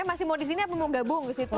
masih mau di sini apa mau gabung ke situ